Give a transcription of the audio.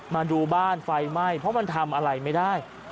มาดูบ้านไฟไหม้เพราะมันทำอะไรไม่ได้